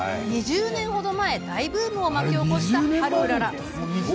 ２０年ほど前、大ブームを巻き起こしたハルウララ。